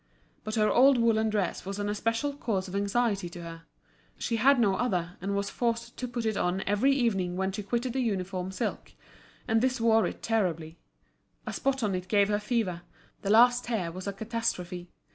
But her old woollen dress was an especial cause of anxiety to her; she had no other, and was forced to put it on every evening when she quitted the uniform silk, and this wore it terribly; a spot on it gave her the fever, the least tear was a catastrophe.